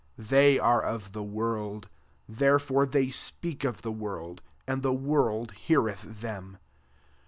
5 They are of the world : there fore they speak of the world, and the world hcareth them.